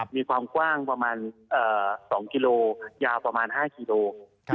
มีความกว้างประมาณ๒กิโลยาวประมาณ๕กิโล